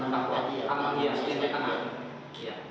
anak hias yang di tengah